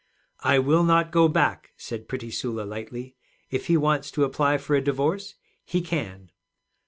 'I will not go back,' said pretty Sula lightly. 'If he wants to apply for a divorce, he can.'